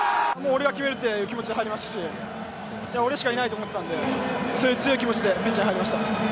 俺が決めるって気持ちで入れましたし俺しかいないって気持ちでそういう強い気持ちでピッチに入りました。